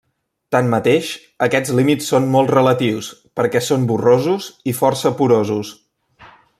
Tanmateix, aquests límits són molt relatius perquè són borrosos i força porosos.